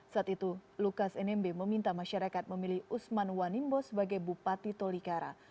saat itu lukas nmb meminta masyarakat memilih usman wanimbo sebagai bupati tolikara